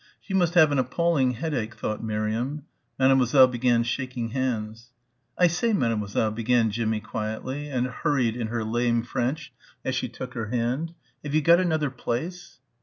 She must have an appalling headache thought Miriam. Mademoiselle began shaking hands. "I say, Mademoiselle," began Jimmie quietly and hurriedly in her lame French, as she took her hand. "Have you got another place?"